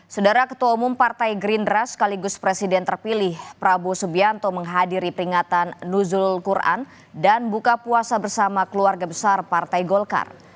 saudara ketua umum partai gerindra sekaligus presiden terpilih prabowo subianto menghadiri peringatan nuzul quran dan buka puasa bersama keluarga besar partai golkar